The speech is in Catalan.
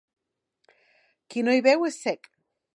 Qui no hi veu és cec.